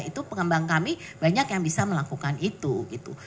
itu pengembang kami banyak yang bisa melakukan itu gitu